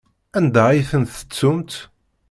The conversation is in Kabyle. Anda ay tent-tettumt?